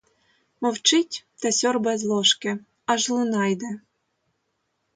Мовчить та сьорбає з ложки, аж луна йде.